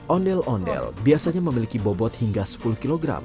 ondel ondel biasanya memiliki bobot hingga sepuluh kg